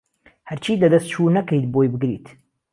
هەرچیت لەدەست چو نەکەیت بۆی بگریت